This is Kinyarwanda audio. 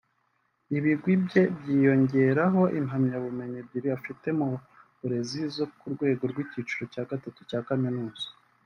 Ibigwi bye byiyongeraho impamyabumenyi ebyiri afite mu burezi zo ku rwego rw’icyiciro cya gatatu cya Kaminuza